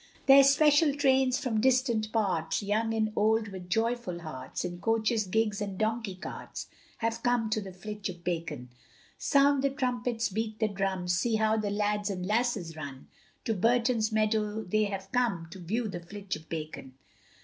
There's special trains from distant parts, Young and old, with joyful hearts, In coaches, gigs, and donkey carts, Have come to the flitch of bacon; Sound the trumpets, beat the drums, See how the lads and lasses run, To Burton's meadow they have come, To view the flitch of bacon.